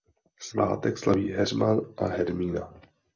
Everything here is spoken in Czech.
Svátek slaví Heřman a Hermína.